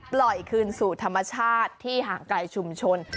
ปล่อยคืนสู่ธรรมชาติที่ห่างไกลชุมชน